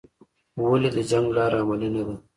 ولې د جنګ لاره عملي نه ده؟